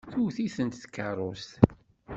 Tewwet-itent tkeṛṛust.